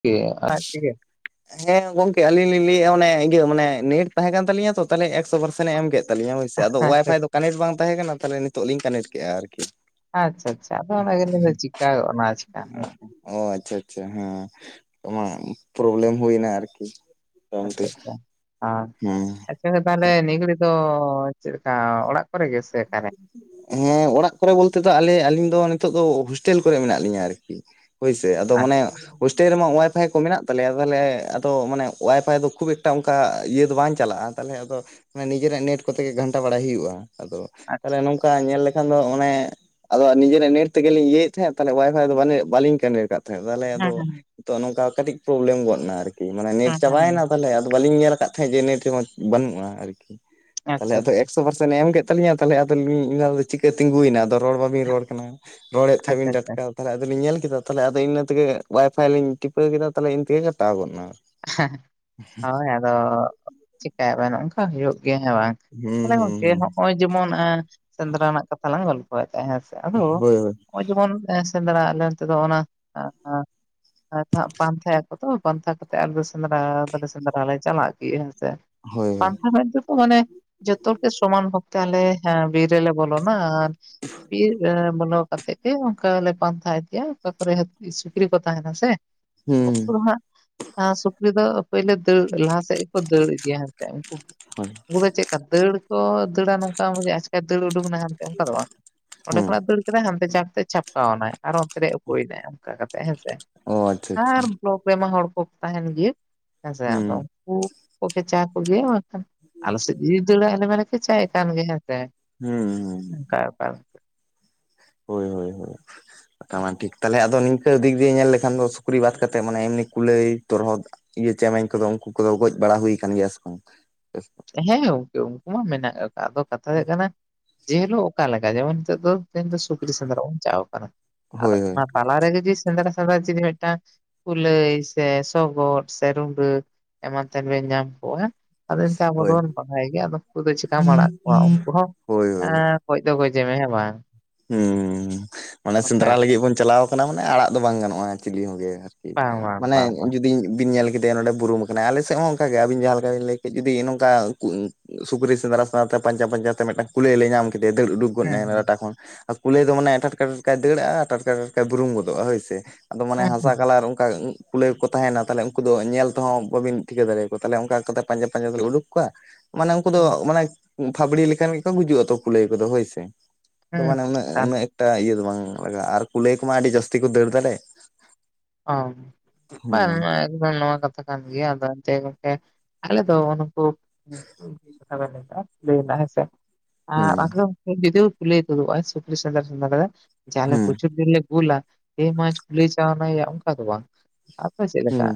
ᱠᱤ ᱟᱡ ᱛᱮᱜᱮ ᱾ ᱦᱮᱸ ᱜᱚᱝᱠᱮ ᱟᱹᱞᱤᱧ ᱞᱤᱧ ᱞᱟᱹᱭᱮᱫ-ᱟ ᱚᱱᱮ ᱤᱭᱟᱹ ᱢᱟᱱᱮ ᱱᱮᱴ ᱛᱟᱦᱮᱸ ᱠᱟᱱ ᱛᱟᱹᱧᱟ ᱛᱚ ᱛᱟᱦᱚᱞᱮ ᱮᱠᱥᱚ ᱯᱟᱨᱥᱮᱱᱮ ᱮᱢ ᱠᱮᱫ ᱛᱟᱹᱤᱧᱟ ᱦᱳᱭᱥᱮ ᱟᱫᱚ ᱟᱪᱪᱷᱟ ᱚᱣᱟᱭᱯᱷᱟᱭ ᱫᱚ ᱠᱟᱱᱟᱱᱮᱠᱴ ᱵᱟᱝ ᱛᱟᱦᱮᱸ ᱠᱟᱱᱟ ᱛᱟᱦᱚᱞᱮ ᱱᱤᱛᱚᱜ ᱞᱤᱧ ᱠᱟᱱᱟᱱᱮᱠ ᱠᱮᱫᱼᱟ ᱟᱨᱠᱤ ᱾ ᱟᱪᱪᱷᱟ ᱟᱪᱪᱷᱟ ᱟᱫᱚ ᱚᱱᱟ ᱜᱮᱞᱤᱧ ᱢᱮᱱ ᱫᱟ ᱪᱤᱠᱟ ᱜᱚᱫ ᱱᱟ ᱟᱪᱠᱟ ᱜᱮ ᱾ ᱚ ᱟᱪᱪᱷᱟ ᱟᱪᱪᱷᱟ ᱦᱮᱸ [unintelligible] ᱯᱨᱚᱵᱞᱮᱢ ᱦᱩᱭᱮᱱᱟ ᱟᱨᱠᱤ ᱾ ᱟᱪᱪᱷᱟ ᱟᱪᱪᱷᱟ ᱟᱸ ᱦᱩᱸ ᱟᱪᱪᱷᱟ ᱛᱟᱦᱚᱞᱮ ᱱᱤᱭᱟᱹ ᱜᱷᱟᱲᱤ ᱫᱚ ᱪᱮᱫ ᱞᱮᱠᱟ ᱚᱲᱟᱜ ᱠᱚᱨᱮ ᱜᱮ ᱥᱮ ᱚᱠᱟᱨᱮ? ᱦᱮᱸ ᱚᱲᱟᱜ ᱠᱚᱨᱮ ᱵᱚᱞᱛᱮ ᱫᱚ ᱟᱞᱮ ᱟᱹᱞᱤᱧ ᱫᱚ ᱱᱤᱛᱚᱜ ᱫᱚ ᱦᱳᱥᱴᱮᱞ ᱠᱚᱨᱮ ᱢᱮᱱᱟᱜ ᱞᱤᱧᱟ ᱟᱨᱠᱤ ᱾ ᱦᱳᱭ ᱥᱮ, ᱟᱫᱚ ᱢᱟᱱᱮ ᱟᱪᱪᱷᱟ ᱦᱳᱥᱴᱮᱞ ᱨᱮᱢᱟ ᱚᱣᱟᱭᱯᱷᱟᱭ ᱠᱚ ᱢᱮᱱᱟᱜ ᱛᱟᱞᱮᱭᱟ ᱛᱟᱦᱚᱞᱮ ᱟᱫᱚ ᱢᱟᱱᱮ ᱚᱣᱟᱭᱯᱷᱟᱭ ᱫᱚ ᱠᱷᱩᱵ ᱮᱠᱴᱟ ᱚᱱᱠᱟ ᱤᱭᱟᱹ ᱫᱚ ᱵᱟᱝ ᱪᱟᱞᱟᱜᱼᱟ ᱾ ᱛᱟᱦᱚᱞᱮ ᱟᱫᱚ ᱱᱤᱡᱮᱨᱟᱜ ᱱᱮᱴ ᱠᱚᱛᱮ ᱜᱮ ᱜᱷᱟᱱᱴᱟ ᱵᱟᱲᱟᱭ ᱦᱩᱭᱩᱜᱼᱟ ᱟᱫᱚ ᱟᱪᱪᱷᱟ ᱟᱪᱪᱷᱟ ᱛᱟᱦᱚᱞᱮ ᱟᱪᱪᱷᱟ. ᱱᱚᱝᱠᱟ ᱧᱮᱞ ᱫᱚ ᱚᱱᱮ ᱟᱫᱚ ᱱᱤᱡᱮᱨᱟᱜ ᱱᱮᱴ ᱛᱮᱜᱮᱞᱤᱧ ᱤᱭᱟᱹᱭᱮᱫ ᱛᱟᱦᱮᱸᱫ ᱛᱟᱦᱮ ᱚᱣᱟᱭᱯᱷᱟᱭ ᱫᱚ ᱵᱟᱞᱤᱧ ᱠᱟᱱᱤᱴᱟ᱾ ᱛᱟᱦᱚᱞᱮ ᱦᱮᱸ ᱟᱫᱚ ᱦᱮᱸ ᱱᱚᱝᱠᱟ ᱠᱟᱹᱴᱤᱡ ᱯᱨᱚᱵᱞᱮᱢ ᱜᱚᱫ ᱮᱱᱟ ᱟᱨᱠᱤ ᱢᱟᱱᱮ ᱱᱮᱴ ᱦᱮᱸ ᱦᱮᱸ ᱦᱮᱸ ᱪᱟᱵᱟᱭᱮᱱᱟ ᱛᱟᱦᱚᱞᱮ ᱟᱫᱚ ᱵᱟᱹᱞᱤᱧ ᱧᱮᱞ ᱟᱠᱟᱫ ᱛᱟᱦᱮᱸᱫ ᱡᱮ ᱱᱮᱴ ᱨᱮᱦᱚᱸ ᱵᱟᱹᱱᱩᱜᱼᱟ ᱟᱨᱠᱤ ᱛᱟᱦᱚᱞᱮ ᱟᱪᱪᱷᱟ ᱟᱫᱚ ᱟᱪᱪᱷᱟ ᱮᱠᱥᱚ ᱯᱟᱨᱥᱮᱱᱴ ᱮ ᱮᱢ ᱠᱮᱫ ᱛᱟᱞᱤᱧᱟ ᱛᱟᱦᱚᱞᱮ ᱟᱫᱚᱞᱤᱧ ᱚᱱᱟᱫᱚ ᱪᱤᱠᱟᱹ ᱛᱤᱸᱜᱩᱭᱮᱱᱟ ᱟᱫᱚ ᱨᱚᱲ ᱵᱟᱹᱵᱤᱱ ᱨᱚᱲ ᱠᱟᱱᱟ ᱨᱚᱲᱮᱫ ᱟᱪᱪᱷᱟ ᱛᱟᱦᱮᱸᱫᱤᱱ ᱟᱪᱪᱷᱟ ᱴᱟᱴᱠᱟ ᱛᱟᱦᱚᱞᱮ ᱟᱫᱚ ᱞᱤᱧ ᱧᱮᱞ ᱠᱮᱫᱟ ᱛᱟᱦᱚᱞᱮ ᱟᱫᱚ ᱤᱱᱟᱹ ᱛᱮᱜᱮ ᱚᱣᱟᱭᱯᱷᱟᱭ ᱞᱤᱧ ᱴᱤᱯᱟᱹᱣ ᱠᱮᱫᱟ ᱛᱟᱦᱚᱞᱮ ᱤᱱᱠᱟᱹ ᱠᱟᱴᱟᱣ ᱜᱚᱫ ᱮᱱᱟ ᱦᱳᱭ ᱟᱫᱚ ᱪᱤᱠᱟᱹᱭ ᱵᱮᱱ ᱚᱱᱠᱟ ᱦᱩᱭᱩᱜ ᱜᱮᱭᱟ ᱦᱮᱸ ᱵᱟᱝ ᱦᱩᱸ ᱛᱟᱞᱦᱮ ᱦᱩᱸ ᱜᱚᱝᱠᱮ ᱦᱩᱸ ᱦᱚᱸᱜᱼᱚᱭ ᱡᱮᱢᱚᱱ ᱥᱮᱸᱫᱽᱨᱟ ᱨᱮᱱᱟᱜ ᱠᱟᱛᱷᱟ ᱞᱟᱝ ᱜᱚᱞᱯᱷᱚᱭᱮᱫ ᱦᱮᱸ ᱥᱮ ᱟᱫᱚ ᱦᱳᱭ ᱦᱳᱭ ᱱᱚᱜᱼᱚᱭ ᱡᱮᱢᱚᱱ ᱥᱮᱸᱫᱽᱨᱟ ᱞᱮ ᱛᱮᱫᱚ ᱚᱱᱟ ᱯᱟᱱᱛᱟᱭ ᱟᱠ ᱛᱚ ᱯᱟᱱᱛᱷᱟ ᱟᱞᱮ ᱫᱚ ᱥᱮᱸᱫᱽᱨᱟ ᱫᱚᱞᱮ ᱥᱮᱸᱫᱽᱨᱟ ᱞᱮ ᱪᱟᱞᱟᱜ ᱜᱮ ᱦᱮᱸ ᱥᱮ ᱦᱳᱭ [inaudible] ᱦᱳᱭ ᱢᱟᱱᱮ ᱡᱚᱛᱚ ᱜᱮ ᱥᱚᱢᱟᱱ ᱵᱷᱟᱵᱛᱮ ᱟᱞᱮ ᱦᱮᱸ ᱵᱤᱨ ᱨᱮ ᱞᱮ ᱵᱚᱞᱚᱱᱟ ᱟᱨ ᱵᱤᱨ ᱵᱚᱞᱚᱵ ᱠᱟᱛᱮ ᱜᱮ ᱚᱱᱠᱟ ᱞᱮ ᱯᱟᱱᱛᱷᱟ ᱤᱫᱤᱭᱟ ᱚᱠᱟ ᱠᱚᱨᱮ ᱥᱩᱠᱨᱤ ᱠᱚ ᱛᱟᱦᱮᱱᱟ ᱥᱮ ᱦᱩᱸ ᱢᱟᱜ ᱦᱟᱸ ᱥᱩᱠᱨᱤ ᱫᱚ ᱯᱳᱭᱞᱳ ᱫᱟᱹᱲ ᱞᱟᱦᱟ ᱥᱮᱫ ᱜᱮᱠᱚ ᱫᱟᱹᱲ ᱤᱫᱤᱭᱟ ᱦᱮᱥᱮ ᱦᱳᱭ ᱩᱱᱠᱩ ᱫᱚ ᱪᱮᱫ ᱞᱮᱠᱟ ᱫᱟᱹᱲ ᱠᱚ ᱫᱟᱹᱲᱟ ᱱᱚᱝᱠᱟ ᱟᱪᱠᱟ ᱫᱟᱹᱲ ᱩᱰᱩᱠ ᱮᱱᱟ ᱦᱟᱱᱛᱮ ᱚᱱᱠᱟ ᱫᱚ ᱵᱟᱝ ᱚᱸᱰᱮ ᱦᱩᱸ ᱠᱷᱚᱱᱟᱜ ᱫᱟᱹᱲ ᱦᱟᱱᱛᱮ ᱪᱷᱟᱯᱛᱮ ᱪᱷᱟᱯᱠᱟᱣ ᱮᱱᱟᱭ ᱟᱨ ᱚᱱᱛᱮᱨᱮ ᱩᱠᱩᱭᱮᱱᱟᱭ ᱚᱱᱠᱟ ᱠᱟᱛᱮ ᱦᱮᱸᱥᱮ ᱚ ᱟᱪᱪᱷᱟ ᱟᱪᱪᱷᱟ ᱟᱨ ᱵᱞᱚᱠ ᱨᱮᱢᱟ ᱦᱚᱲ ᱠᱚ ᱛᱟᱦᱮᱱ ᱜᱮ ᱦᱮᱸᱥᱮ ᱦᱩᱸ ᱟᱫᱚ ᱩᱱᱠᱩ ᱠᱚᱜᱮᱪᱟ ᱠᱚᱜᱮ ᱟᱞᱮ ᱥᱮᱫ ᱡᱩᱫᱤ ᱫᱟᱹᱲᱟ ᱟᱞᱮ ᱢᱟᱱᱮ ᱠᱮᱪᱟᱭ ᱠᱟᱱ ᱜᱮ ᱦᱮᱸᱥ ᱦᱩᱸ ᱦᱩᱸ ᱚᱱᱠᱟᱠᱟ ᱦᱳᱭ ᱦᱳᱭ ᱦᱳᱭ ᱴᱷᱤᱠ ᱛᱟᱦᱚᱞᱮ ᱟᱫᱚ ᱱᱤᱝᱠᱟᱹ ᱫᱤᱠ ᱫᱤᱭᱮ ᱧᱮᱞ ᱞᱮᱠᱷᱟᱱ ᱫᱚ ᱥᱩᱠᱨᱤ ᱵᱟᱫ ᱠᱟᱛᱮᱫ ᱢᱟᱱᱮ ᱮᱢᱱᱤ ᱠᱩᱞᱟᱹᱭ ᱛᱚᱨᱦᱚᱫ ᱤᱭᱟᱹ ᱪᱮᱢᱮᱧ ᱠᱚᱫᱚ ᱩᱱᱠᱩ ᱠᱚᱫᱚ ᱜᱚᱡ ᱵᱟᱲᱟ ᱦᱩᱭ ᱠᱟᱱᱟ ᱜᱮᱭᱟ ᱥᱮ ᱵᱟᱝ? ᱦᱮᱸ ᱜᱚᱝᱠᱮ ᱩᱱᱠᱩ ᱢᱟ ᱢᱮᱱᱟᱜ ᱠᱟᱜ ᱟᱫᱚ ᱠᱟᱛᱷᱟ ᱦᱩᱭᱩᱜ ᱠᱟᱱᱟ ᱡᱮ ᱦᱤᱞᱳᱜ ᱚᱠᱟ ᱞᱮᱠᱟ ᱡᱮᱢᱚᱱ ᱱᱤᱛᱚᱜ ᱫᱚ ᱛᱮᱦᱮᱧ ᱫᱚ ᱥᱩᱠᱨᱤ ᱥᱮᱸᱫᱽᱨᱟ ᱵᱚᱱ ᱪᱟ ᱟᱠᱟᱱᱟ ᱟᱫᱚ ᱦᱳᱭ ᱦᱳᱭ ᱛᱟᱞᱟᱨᱮ ᱡᱩᱫᱤ ᱥᱮᱸᱫᱽᱨᱟ ᱥᱮᱸᱫᱽᱨᱟ ᱪᱤᱞᱤ ᱢᱤᱫᱴᱟᱝ ᱠᱩᱞᱟᱹᱭ ᱥᱮ ᱥᱚᱜᱚᱫ ᱥᱮ ᱨᱩᱰᱟᱹ ᱮᱢᱟᱱ ᱛᱮᱱ ᱵᱮᱱ ᱧᱟᱢ ᱠᱚᱣᱟ ᱟᱫᱚ ᱮᱱᱛᱮ [unintelligible] ᱫᱚᱵᱚᱱ ᱵᱟᱲᱟᱭ ᱜᱮᱭᱟ ᱟᱫᱚ ᱩᱱᱠᱩ ᱫᱚ ᱪᱤᱠᱠᱟᱢ ᱟᱲᱟᱜ ᱠᱚᱣᱟ ᱩᱱᱠᱩ ᱦᱚᱸ ᱦᱳᱭ ᱦᱳᱭ ᱜᱚᱡᱽ ᱫᱚ ᱜᱚᱡᱮ ᱢᱮ ᱦᱮᱸ ᱵᱟᱝ ᱦᱩᱸ ᱢᱟᱱᱮ ᱥᱮᱸᱫᱽᱨᱟ ᱚᱱᱠᱟ ᱞᱟᱹᱜᱤᱫ ᱵᱚᱱ ᱪᱟᱞᱟᱣ ᱠᱟᱱᱟ ᱢᱟᱱᱮ ᱟᱲᱟᱜ ᱫᱚ ᱵᱟᱝ ᱜᱟᱱᱚᱜᱼᱟ ᱪᱤᱞᱤ ᱦᱚᱸᱜᱮ ᱢᱟᱱᱮ ᱡᱩᱫᱤ ᱵᱤᱱ ᱧᱮᱞ ᱠᱮᱫᱮᱭᱟ ᱱᱚᱸᱰᱮ ᱵᱩᱨᱩᱢ ᱟᱠᱟᱱᱟᱭ ᱟᱞᱮ ᱥᱮᱫ ᱦᱚᱸ ᱚᱱᱠᱟᱜᱮ ᱟᱵᱤᱱ ᱡᱟᱦᱟᱸ ᱞᱮᱠᱟ ᱵᱤᱱ ᱞᱟᱹᱭ ᱠᱮᱫ ᱡᱩᱫᱤ ᱱᱚᱝᱠᱟ ᱥᱩᱠᱨᱤ ᱥᱮᱸᱫᱽᱨᱟ ᱥᱮᱸᱫᱽᱨᱟ ᱛᱮ ᱯᱟᱸᱡᱮ ᱯᱟᱸᱡᱟ ᱛᱮ ᱢᱤᱫᱟᱝ ᱠᱩᱞᱟᱹᱭ ᱞᱮ ᱧᱟᱢ ᱠᱮᱫᱮᱭᱟ ᱫᱟᱹᱲ ᱩᱰᱩᱜ ᱜᱚᱫᱱᱟᱭ ᱦᱮᱸ, ᱞᱟᱴᱟ ᱠᱷᱚᱱ ᱟᱨ ᱠᱩᱞᱟᱹᱭ ᱫᱚ ᱢᱟᱱᱮ ᱴᱟᱴ ᱴᱟᱴᱠᱟᱭ ᱫᱟᱹᱲᱟᱜᱼᱟ ᱴᱟᱴ ᱴᱟᱴᱠᱟ‌ ᱴᱟᱴᱠᱟᱭ ᱵᱩᱨᱩᱢ ᱜᱚᱫᱚᱜᱼᱟ ᱦᱳᱭᱥᱮ ᱟᱫᱚ ᱢᱟᱱᱮ ᱦᱮᱸ, ᱦᱟᱥᱟ ᱦᱮᱸ, ᱠᱟᱞᱟᱨ ᱚᱱᱠᱟ ᱠᱩᱞᱟᱹᱭ ᱠᱚᱠᱚ ᱛᱟᱦᱮᱱᱟ ᱛᱟᱦᱚᱞᱮ ᱩᱱᱠᱩ ᱫᱚ ᱧᱮᱞ ᱛᱮᱦᱚᱸ ᱵᱟᱵᱤᱱ ᱴᱷᱤᱠᱟᱹ ᱫᱟᱲᱮᱭᱟ ᱠᱚᱣᱟ ᱛᱟᱦᱚᱞᱮ ᱚᱱᱠᱟ ᱚᱱᱠᱟ ᱛᱮ ᱯᱟᱸᱡᱟ ᱯᱟᱸᱡᱟ ᱠᱚᱞᱮ ᱩᱰᱩᱠ ᱠᱚᱣᱟ ᱢᱟᱱᱮ ᱩᱱᱠᱩ ᱫᱚ ᱦᱮᱸ, ᱢᱟᱱᱮ ᱯᱷᱟᱵᱽᱲᱤ ᱞᱮᱠᱟᱱ ᱜᱮᱠᱚ ᱜᱩᱡᱩᱜ ᱟᱛᱚ ᱠᱩᱞᱟᱹᱭ ᱠᱚᱫᱚ ᱦᱳᱭ ᱥᱮ ᱛᱚ ᱦᱮᱸ, ᱢᱟᱱᱮ ᱩᱱᱟᱹᱜ ᱦᱮᱸ, ᱩᱱᱟᱹᱜ ᱮᱠᱴᱟ ᱤᱭᱟᱹ ᱫᱚ ᱵᱟᱝ ᱞᱟᱜᱟᱜᱼᱟ ᱟᱨ ᱠᱩᱞᱟᱹᱭ ᱠᱚᱢᱟ ᱟᱹᱰᱤ ᱡᱟᱹᱥᱛᱤ ᱠᱚ ᱫᱟᱹᱲ ᱫᱟᱲᱮ ᱚ ᱵᱟᱝ ᱱᱚᱣᱟ ᱠᱟᱛᱷᱟ ᱠᱟᱱ ᱜᱮᱭᱟ ᱟᱫᱚ ᱮᱱᱛᱮ ᱜᱚᱝᱠᱮ ᱟᱞᱮ ᱫᱚ [inaudible] ᱦᱮᱸᱥᱮ ᱦᱩᱸ [inaudible] ᱠᱩᱞᱟᱹᱭ ᱫᱩᱲᱩᱜᱼᱟᱭ ᱦᱩᱸ [inaudible] ᱜᱩᱞᱟ ᱦᱮ ᱢᱟ ᱠᱩᱞᱟᱹᱭ ᱪᱟᱱᱟᱭᱭᱟ ᱚᱱᱠᱟ ᱫᱚ ᱵᱟᱝ ᱟᱯᱮ ᱪᱮᱫ ᱞᱮᱠᱟ ᱦᱩᱸ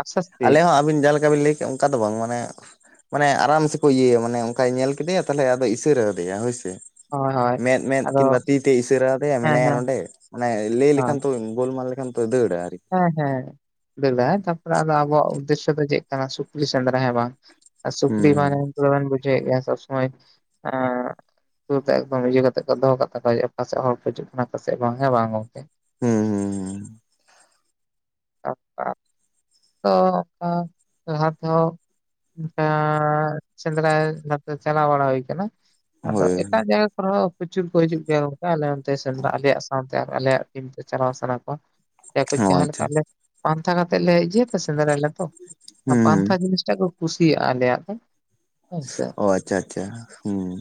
ᱟᱥᱛᱮ ᱟᱥᱛᱮ ᱟᱞᱮ ᱦᱚᱸ ᱟᱹᱵᱤᱱ ᱡᱮᱦᱟᱸ ᱞᱮᱠᱟ ᱵᱤᱱ ᱞᱟᱹᱭ ᱠᱮᱜ ᱚᱝᱠᱟ ᱫᱚ ᱵᱟᱝ ᱢᱟᱱᱮ ᱢᱟᱱᱮ ᱟᱨᱟᱢᱥᱮ ᱠᱚ ᱤᱭᱟᱹᱭᱟ ᱢᱟᱱᱮ ᱚᱝᱠᱟᱭ ᱧᱮᱞ ᱠᱮᱫᱮᱭᱟ ᱛᱟᱦᱞᱮ ᱟᱫᱚᱭ ᱤᱥᱟᱹᱨᱟ ᱟᱫᱮᱭᱟ ᱦᱳᱭᱥᱮ᱾ ᱦᱳᱭ ᱦᱳᱭ ᱢᱮᱸᱫ ᱢᱮᱸᱫ ᱟᱫᱚ ᱠᱤᱱᱵᱟ ᱛᱤ ᱛᱮ ᱤᱥᱟᱹᱨᱟᱣ ᱟᱫᱮᱭᱟ ᱦᱮᱸ ᱢᱮᱱᱟᱭᱟ ᱦᱮᱸ ᱱᱚᱸᱰᱮ᱾ ᱢᱟᱱᱮ ᱞᱟᱹᱭ ᱦᱳᱭ ᱞᱮᱠᱷᱟᱱ ᱛᱚ ᱜᱳᱞᱢᱟᱞ ᱞᱮᱠᱷᱟᱱ ᱛᱚ ᱫᱟᱹᱲᱟ ᱟᱨᱠᱤ᱾ ᱦᱮᱸ ᱦᱮᱸ [unintelligible] ᱛᱟᱯᱚᱨᱮ ᱟᱵᱚᱣᱟᱜ ᱩᱫᱫᱮᱥᱥᱚ ᱫᱚ ᱪᱮᱜ ᱠᱟᱱᱟ ᱥᱩᱠᱨᱤ ᱥᱮᱸᱫᱽᱨᱟ ᱦᱮᱸ ᱵᱟᱝ᱾ ᱦᱩᱸ ᱥᱩᱠᱨᱤ [unintelligible] ᱵᱩᱡᱷᱟᱹᱣᱮᱜ ᱜᱮᱭᱟ ᱥᱚᱵ ᱥᱚᱢᱚᱭ ᱮᱸ ᱥᱩᱨ ᱛᱮ ᱮᱠᱫᱚᱢ ᱤᱭᱟᱹ ᱠᱟᱛᱮᱜ ᱠᱚ ᱫᱚᱦᱚ ᱠᱟᱜ ᱛᱟᱠᱚ ᱦᱩᱭᱩᱜᱼᱟ ᱚᱠᱟᱥᱮᱜ ᱦᱚᱲ ᱠᱚ ᱦᱤᱡᱩᱜ ᱠᱟᱱᱟ ᱚᱠᱟᱥᱮᱜ ᱵᱟᱝᱮ ᱦᱮᱸ ᱵᱟᱝ ᱜᱚᱝᱠᱮ᱾ ᱦᱩᱸ ᱦᱩᱸ ᱦᱩᱸ [inaudible] ᱚ ᱟᱸ ᱞᱟᱦᱟ ᱛᱮᱦᱚᱸ ᱚᱝᱠᱟ ᱥᱮᱸᱫᱽᱨᱟᱭ ᱵᱷᱟᱵᱛᱨ ᱪᱟᱞᱟᱣ ᱵᱟᱲᱟ ᱦᱩᱭ ᱠᱟᱱᱟ᱾ ᱦᱩᱸ ᱟᱫᱚ ᱦᱳᱭ ᱮᱴᱟᱜ ᱡᱟᱭᱜᱟ ᱠᱚᱨᱮ ᱦᱚᱸ ᱯᱚᱪᱩᱨ ᱠᱚ ᱦᱤᱡᱩᱜ ᱜᱮᱭᱟ ᱜᱚᱝᱠᱟ ᱟᱞᱮ ᱚᱱᱛᱮ ᱥᱮᱸᱫᱽᱨᱟ ᱟᱞᱮ ᱥᱟᱶ ᱛᱮ ᱟᱨ ᱟᱞᱮᱭᱟᱜ ᱴᱤᱢ ᱛᱮ ᱪᱟᱞᱟᱣ ᱥᱟᱱᱟ ᱠᱚᱣᱟ ᱚ [inaudible] ᱡᱟᱦᱟᱸ ᱟᱪᱪᱷᱟ ᱞᱮᱠᱟ ᱟᱞᱮ ᱯᱟᱱᱛᱷᱟ ᱠᱟᱛᱮᱜ ᱞᱮ ᱡᱮᱫ ᱦᱮᱸ ᱥᱮᱸᱫᱽᱨᱟᱭᱟᱞᱮ ᱛᱚ ᱦᱩᱸ ᱦᱩᱸ ᱯᱟᱱᱛᱷᱟ ᱡᱤᱱᱤᱥᱴᱟᱜ ᱠᱚ ᱠᱩᱥᱤᱭᱟᱜᱼᱟ ᱟᱞᱮᱭᱟᱜ ᱫᱚ ᱦᱮᱸ ᱥᱮ᱾ ᱚ ᱟᱪᱪᱷᱟ ᱟᱪᱪᱷᱟ ᱦᱩᱸ